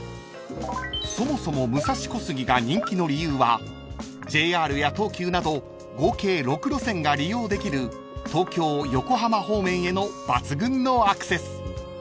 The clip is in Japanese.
［そもそも武蔵小杉が人気の理由はＪＲや東急など合計６路線が利用できる東京・横浜方面への抜群のアクセス］